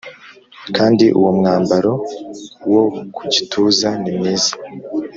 Kandi uwo mwambaro wo ku gituza nimwiza